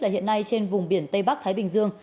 hiện nay trên vùng biển tây bắc thái bình dương